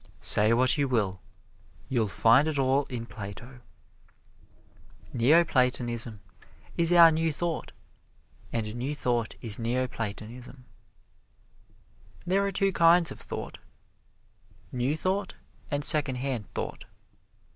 "Say what you will, you'll find it all in Plato." Neo Platonism is our New Thought, and New Thought is Neo Platonism. There are two kinds of thought: New Thought and Secondhand Thought.